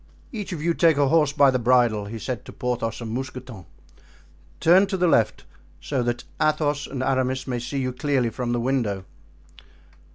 "Each of you take a horse by the bridle," he said to Porthos and Mousqueton; "turn to the left, so that Athos and Aramis may see you clearly from the window."